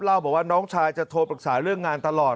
เล่าบอกว่าน้องชายจะโทรปรึกษาเรื่องงานตลอด